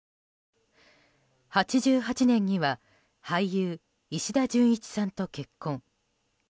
８８年には俳優・石田純一さんと結婚。